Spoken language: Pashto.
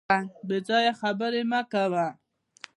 بې ځایه خبري مه کوه .